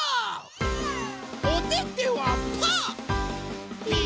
おててはパー！